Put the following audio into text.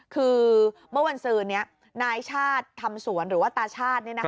คือเมื่อวันซื้อนี้นายชาติทำสวนหรือว่าตาชาติ